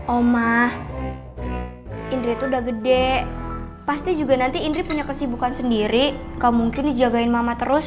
omah indri itu udah gede pasti juga nanti indri punya kesibukan sendiri kau mungkin dijagain mama terus